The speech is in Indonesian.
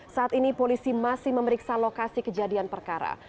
saat ini polisi masih memeriksa lokasi kejadian perkara